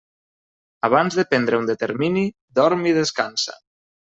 Abans de prendre un determini, dorm i descansa.